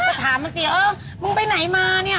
ก็ถามมันสิเออมึงไปไหนมาเนี่ย